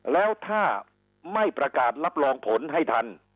แล้วถ้าไม่ประกาศรับรองผลให้ทัน